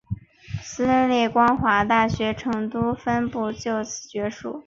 私立光华大学成都分部自此结束。